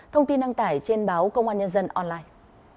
thông tin đăng tải trên báo công an nhân dân online